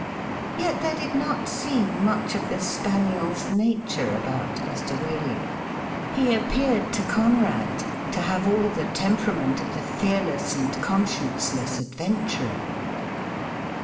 Yet there did not seem much of the spaniel's nature about Mr. Waley. He appeared to Conrad to have aU the temperament of the fearless and conscienceless adventurer.